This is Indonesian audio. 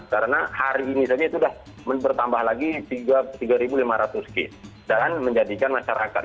karena hari ini saja itu sudah bertambah lagi tiga lima ratus kit dan menjadikan masyarakat